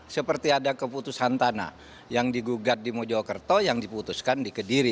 seperti ada keputusan tanah yang digugat di mojokerto yang diputuskan di kediri